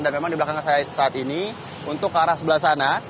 dan memang di belakang saya saat ini untuk ke arah sebelah sana